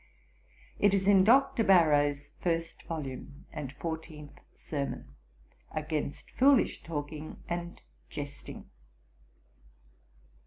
It is in Dr. Barrow's first volume, and fourteenth sermon, _'Against foolish Talking and Jesting.'